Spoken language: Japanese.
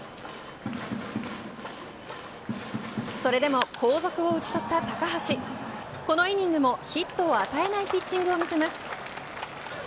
それでも後続を打ち取った高橋このイニングもヒットを与えないピッチングを見せます。